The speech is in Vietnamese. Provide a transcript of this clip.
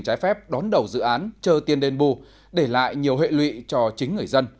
trái phép đón đầu dự án chờ tiền đền bù để lại nhiều hệ lụy cho chính người dân